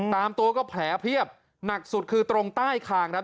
ตามตัวก็แผลเพียบหนักสุดคือตรงใต้คางครับ